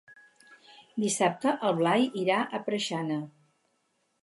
Dissabte en Blai irà a Preixana.